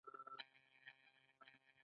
له دې لارې اضافي ارزښت په لاس راوړي